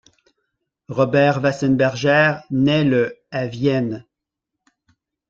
Robert Waissenberger naît le à Vienne.